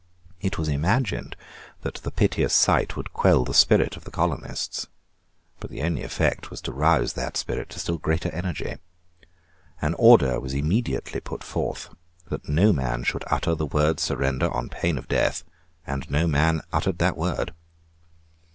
It was imagined that the piteous sight would quell the spirit of the colonists. But the only effect was to rouse that spirit to still greater energy. An order was immediately put forth that no man should utter the word Surrender on pain of death; and no man uttered that word.